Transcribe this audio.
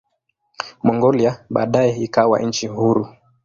Mongolia baadaye ikawa nchi huru.